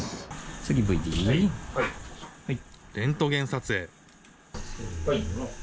レントゲン撮影。